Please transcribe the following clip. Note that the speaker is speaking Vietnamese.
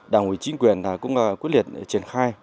đảng ủy chính quyền cũng quyết liệt triển khai